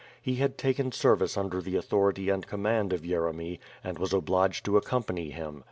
He had taken service under the authority and com mand of Yeremy, and was obliged to accompany him.